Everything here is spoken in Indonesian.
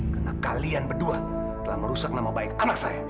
karena kalian berdua telah merusak nama baik anak saya